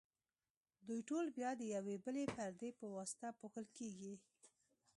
دوی ټول بیا د یوې بلې پردې په واسطه پوښل کیږي.